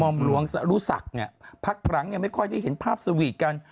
มอมรวงรู้สักพักหลังไม่ค่อยได้เห็นภาพสวีตกัน